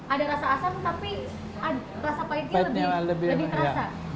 ada rasa asam tapi rasa pahitnya lebih terasa